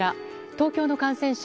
東京の感染者